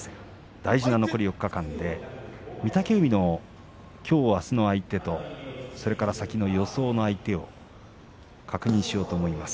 大事な残り４日間で御嶽海のきょう、あすの相手とそれから先の相手を確認しようと思います。